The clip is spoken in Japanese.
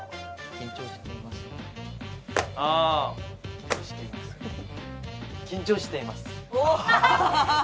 あ緊張しています・お！